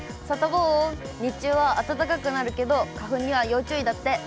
サタボー、日中は暖かくなるけど、花粉には要注意だって。